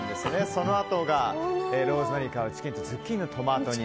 そのあとがローズマリー香るチキンとズッキーニのトマト煮。